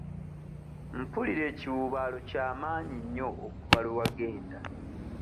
Mpulira ekiwuubaalo ky'amaanyi nnyo okuva lwe wagenda.